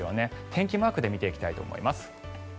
天気マークで見ていきたいと思います。